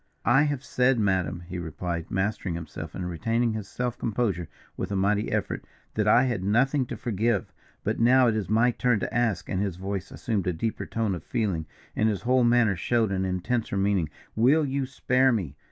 "I have said, madam," he replied, mastering himself and retaining his self composure with a mighty effort, "that I had nothing to forgive. But now it is my turn to ask," and his voice assumed a deeper tone of feeling, and his whole manner showed an intenser meaning, "will you spare me?